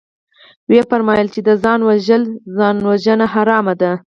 ويې فرمايل چې ده ځان وژلى ځانوژنه حرامه ده.